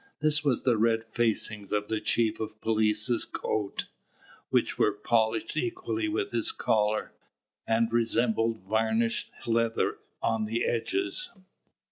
This was the red facings of the chief of police's coat, which were polished equally with his collar, and resembled varnished leather on the edges.